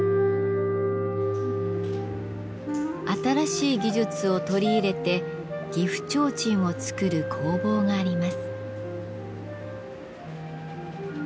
新しい技術を取り入れて岐阜提灯を作る工房があります。